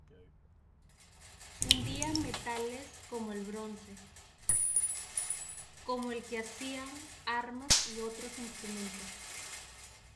Fundían metales como el bronce, con el que hacían armas y otros instrumentos.